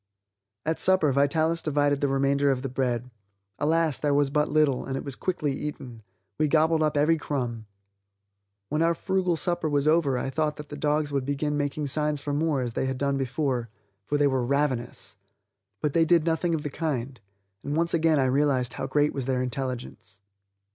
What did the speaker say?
At supper Vitalis divided the remainder of the bread. Alas, there was but little, and it was quickly eaten; we gobbled up every crumb. When our frugal supper was over I thought that the dogs would begin making signs for more as they had done before, for they were ravenous. But they did nothing of the kind, and once again I realized how great was their intelligence.